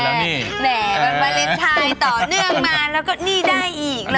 แหมมันบริษัทต่อเนื่องมาแล้วก็หนี้ได้อีกเลย